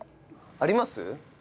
あります？